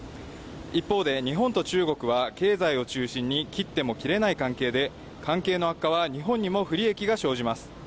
一方で日本と中国は、経済を中心に切っても切れない関係で、関係の悪化は日本にも不利益が生じます。